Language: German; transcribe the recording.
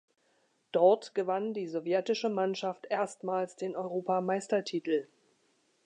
Dort gewann die sowjetische Mannschaft erstmals den Europameistertitel.